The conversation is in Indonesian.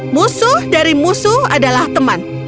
musuh dari musuh adalah teman